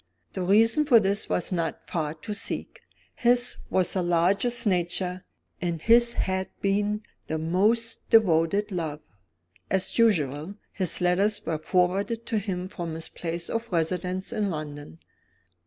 The reason for this was not far to seek. His was the largest nature, and his had been the most devoted love. As usual, his letters were forwarded to him from his place of residence in London.